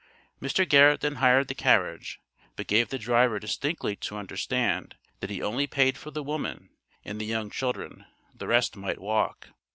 Mr. Garrett then hired the carriage, but gave the driver distinctly to understand that he only paid for the woman and the young children; the rest might walk.